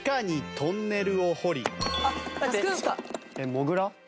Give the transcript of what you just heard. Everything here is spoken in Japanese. モグラ。